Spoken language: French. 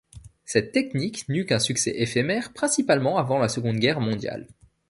Cette technique n'eut qu'un succès éphémère principalement avant la Seconde Guerre mondiale.